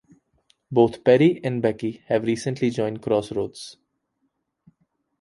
Both Perry and Becky have recently joined Crossroads.